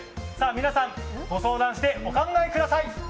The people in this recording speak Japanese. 皆さん、ご相談してお答えください。